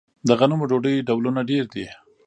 د غنمو ډوډۍ ډولونه ډیر دي.